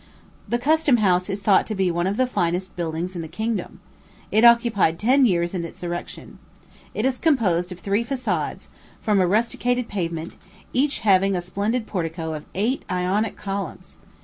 The Custom House is thought to be one of the finest buildings in the kingdom. It occupied ten years in its erection. It is composed of three façades, from a rusticated pavement, each having a splendid portico of eight Ionic columns.